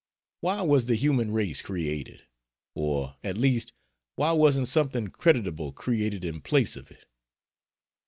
Why was the human race created? Or at least why wasn't something creditable created in place of it.